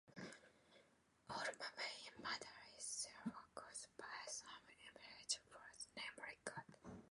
All movement in matter is, therefore, caused by some immaterial force, namely, God.